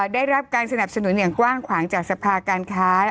ได้รับการสนับสนุนอย่างกว้างขวางจากสภาการค้า